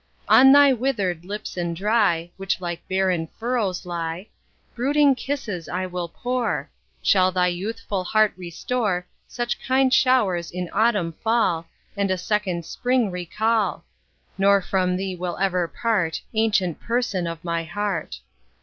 On thy withered lips and dry, Which like barren furrows lie, Brooding kisses I will pour, Shall thy youthful heart restore, Such kind show'rs in autumn fall, And a second spring recall; Nor from thee will ever part, Ancient Person of my heart.